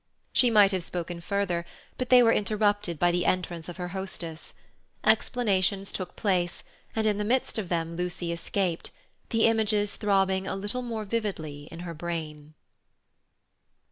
She might have spoken further, but they were interrupted by the entrance of her hostess. Explanations took place, and in the midst of them Lucy escaped, the images throbbing a little more vividly in her brain.